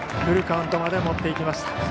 フルカウントまで持ってきました。